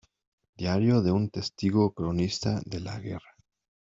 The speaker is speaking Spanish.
Diario de un testigo-cronista de la guerra".